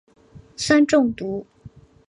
酸中毒。